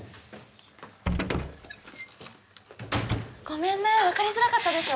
ごめんね分かりづらかったでしょ？